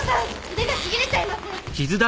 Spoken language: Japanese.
腕がちぎれちゃいます！